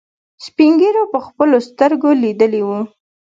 سپينږيرو په خپلو سترګو ليدلي وو.